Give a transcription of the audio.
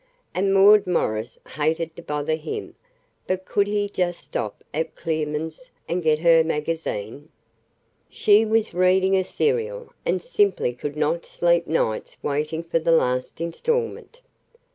And Maud Morris hated to bother him, but could he just stop at Clearman's and get her magazine? She was reading a serial, and simply could not sleep nights waiting for the last instalment.